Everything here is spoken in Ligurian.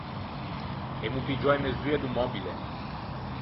Emmo piggiou e mesue do mòbile.